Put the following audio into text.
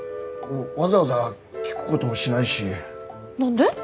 わざわざ聞くこともしないし。